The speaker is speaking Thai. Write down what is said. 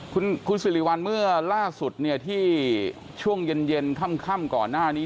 คุณสิริวัลเมื่อล่าสุดเนี่ยที่ช่วงเย็นค่ำก่อนหน้านี้